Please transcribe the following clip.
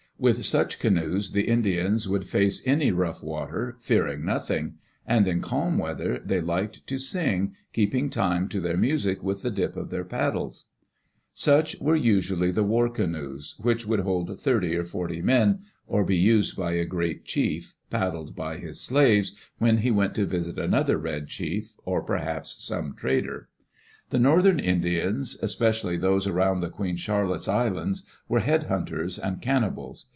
With such canoes the Indians would face any rough water, fearing nothing; and in calm weather they liked to sing, keeping time to their music with the dip of their paddles. Such were usually the war canoes, which would hold r 1 Digitized by VjOOQ LC EARLY DAYS IN OLD OREGON thirty or forty men, or be used by a great chief, paddled by his slaves, when he went to visit another red chief, or perhaps some trader. The northern Indians, especially those around the Queen Charlotte^s Islands, were head hunters and can nibals.